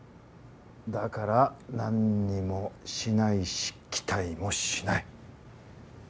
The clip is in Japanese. だから何にもしないし期待もしない。